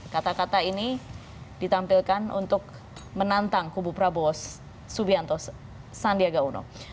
kata kata ini ditampilkan untuk menantang kubu prabowo subianto sandiaga uno